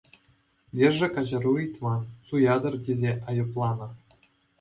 Лешӗ каҫару ыйтман, суятӑр тесе айӑпланӑ.